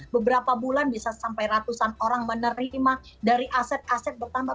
beberapa bulan bisa sampai ratusan orang menerima dari aset aset bertambah